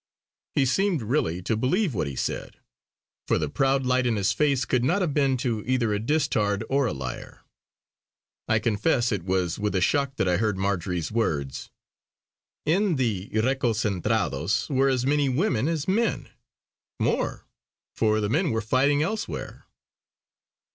He seemed really to believe what he said; for the proud light in his face could not have been to either a dastard or a liar. I confess it was with a shock that I heard Marjory's words: "In the reconcentrados were as many women as men. More, for the men were fighting elsewhere!"